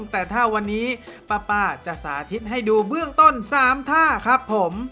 แต่ถ้าวันนี้ป้าจะสาธิตให้ดูเบื้องต้น๓ท่าครับผม